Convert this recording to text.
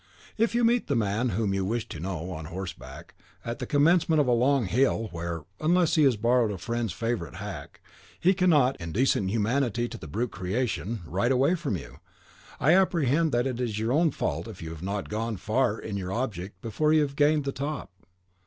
If you meet the man whom you wish to know, on horseback, at the commencement of a long hill, where, unless he has borrowed a friend's favourite hack, he cannot, in decent humanity to the brute creation, ride away from you, I apprehend that it is your own fault if you have not gone far in your object before you have gained the top.